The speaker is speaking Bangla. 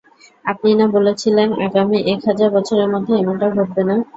আপনি না বলেছিলেন আগামী এক হাজার বছরের মধ্যে এমনটা ঘটবে না?